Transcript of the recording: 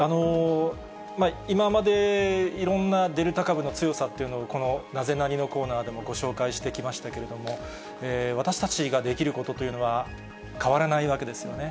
今までいろんなデルタ株の強さっていうのを、このナゼナニっ？のコーナーでもご紹介してきましたけれども、私たちができることというのは変わらないわけですよね。